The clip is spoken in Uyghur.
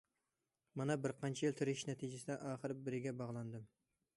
مانا بىرقانچە يىل تىرىشىش نەتىجىسىدە، ئاخىرى بىرىگە باغلاندىم.